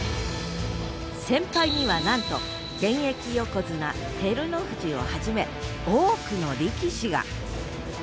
先輩にはなんと現役横綱照ノ富士をはじめ多くの力士が！